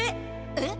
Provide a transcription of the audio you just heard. えっ？